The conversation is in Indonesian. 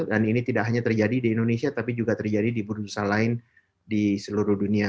dan ini tidak hanya terjadi di indonesia tapi juga terjadi di bursa lain di seluruh dunia